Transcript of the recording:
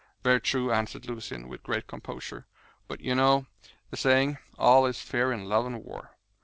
"Very true," answered Lucian, with great composure, "but you know the saying, 'All is fair in love and war.'